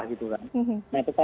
tapi kita edukasi terus ya